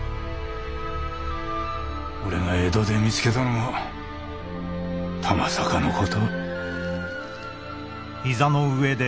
俺が江戸で見つけたのもたまさかの事。